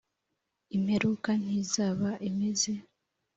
Imperuka ntizaba imeze